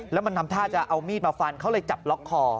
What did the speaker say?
แล้วมันทำท่าจะเอามีดมาฟันเขาเลยจับล็อกคอ